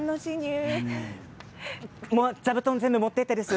座布団全部持っていって！です。